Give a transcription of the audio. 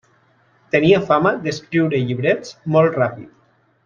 Tenia fama d'escriure llibrets molt ràpid.